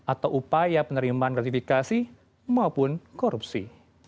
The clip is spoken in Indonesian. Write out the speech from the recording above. atau upaya penerimaan gratifikasi maupun korupsi